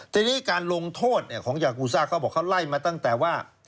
ทีนี้การลงโทษของยากูซ่าเขาบอกเขาไล่มาตั้งแต่ว่า